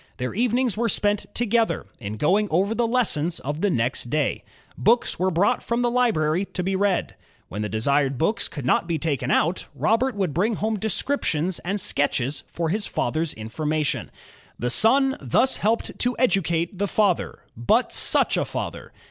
Their evenings were spent together in going over the lessons of the next day. Books were brought from the library to be read. When GEORGE STEPHENSON 57 the desired books could not be taken out, Robert would bring home descriptions and sketches for his father's in formation. The son thus helped to educate the father — but such a father!